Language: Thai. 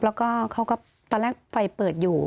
แล้วก็เขาก็ตอนแรกไฟเปิดอยู่